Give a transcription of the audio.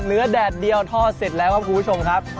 แดดเดียวทอดเสร็จแล้วครับคุณผู้ชมครับ